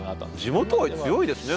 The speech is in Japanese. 地元愛強いですね